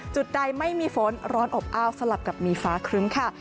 จุดใดไม่มีฝนร้อนอบอ้าวสลับกับมีฟ้าครึ้มค่ะ